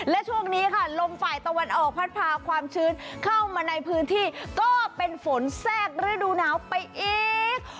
และช่วงนี้ค่ะลมฝ่ายตะวันออกพัดพาความชื้นเข้ามาในพื้นที่ก็เป็นฝนแทรกฤดูหนาวไปอีก